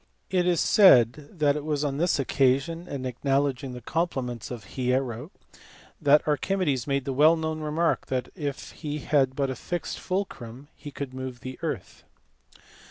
It is said that it was on this occasion, in acknowledging the compliments of Hiero, that Archimedes made the well known remark that had he but a fixed fulcrum he could move the earth.